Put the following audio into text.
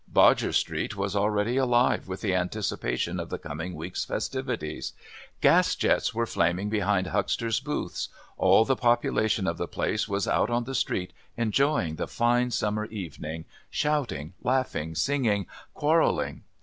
Bodger's Street was already alive with the anticipation of the coming week's festivities. Gas jets were flaming behind hucksters' booths, all the population of the place was out on the street enjoying the fine summer evening, shouting, laughing, singing, quarrelling.